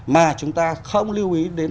mà chúng ta không lưu ý đến